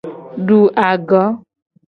Du ago.